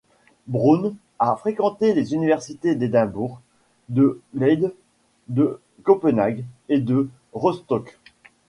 Brown a fréquenté les universités d'Édimbourg, de Leyde, de Copenhague et de Rostock.